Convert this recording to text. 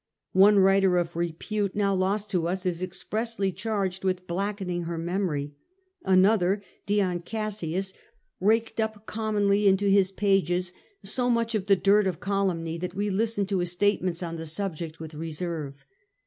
One writer of repute now lost to us is expressly charged with blackening her memory; another (Dion Cassius) raked up commonly into his pages so much of the dirt of calumny that we listen to his statements on the subject with reserve.